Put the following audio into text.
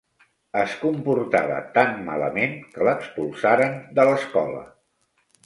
Es comportava tan malament, que l'expulsaren de l'escola.